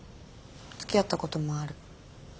つきあったこともある。